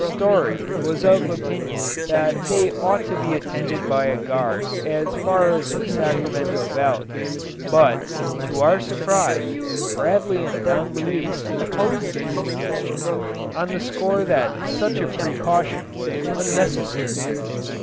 Story was of opinion that they ought to be attended by a guard as far as the Sacramento Valley; but, to our surprise, Bradley and Don Luis opposed this suggestion, on the score that such a precaution was unnecessary.